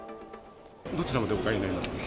どちらまでお帰りになりますか。